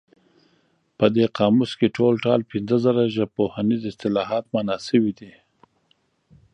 په دې قاموس کې ټول ټال پنځه زره ژبپوهنیز اصطلاحات مانا شوي دي.